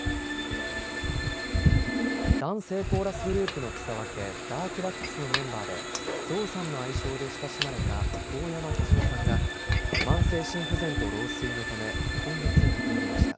男声コーラスグループの草分け、ダークダックスのメンバーでゾウさんの愛称で親しまれた遠山一さんが慢性心不全と老衰のため今月亡くなりました。